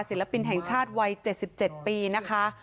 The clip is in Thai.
ศิลปินแห่งชาติวัย๗๗ปีนะคะ